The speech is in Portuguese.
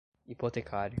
hipotecário